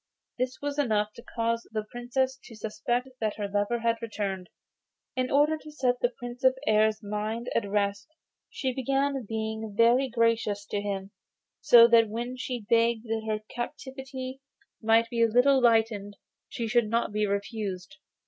This was enough to cause the Princess to suspect that her lover had returned. In order to set the Prince of the Air's mind at rest she began by being very gracious to him, so that when she begged that her captivity might be a little lightened she should not be refused.